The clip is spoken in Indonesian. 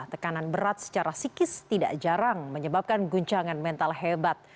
tekanan berat secara psikis tidak jarang menyebabkan guncangan mental hebat